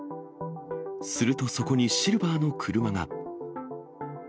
するとそこにシルバーの車が。